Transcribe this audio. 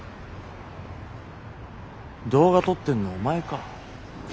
動画撮ってんのはお前か？